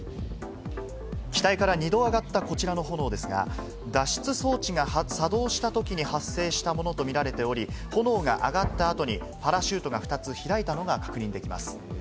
機体から二度上がった、こちらの炎ですが、脱出装置が作動したときに発生したものと見られており、炎が上がった後にパラシュートが２つ開いたのが確認できます。